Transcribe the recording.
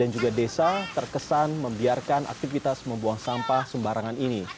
juga desa terkesan membiarkan aktivitas membuang sampah sembarangan ini